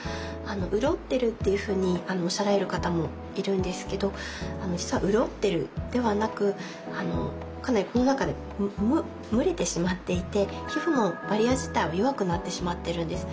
潤ってるっていうふうにおっしゃられる方もいるんですけど実は潤ってるんではなくかなりこの中で蒸れてしまっていて皮膚のバリア自体は弱くなってしまってるんです。